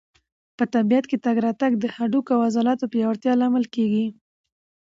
په طبیعت کې تګ راتګ د هډوکو او عضلاتو د پیاوړتیا لامل کېږي.